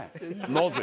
なぜ？